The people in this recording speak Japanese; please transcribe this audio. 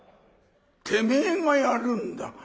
てめえがやるんだ」。